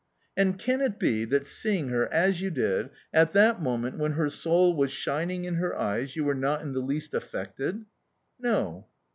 "And can it be that seeing her, as you did, at that moment when her soul was shining in her eyes, you were not in the least affected?" "No."